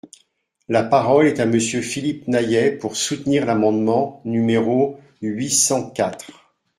La parole est à Monsieur Philippe Naillet, pour soutenir l’amendement numéro huit cent quatre.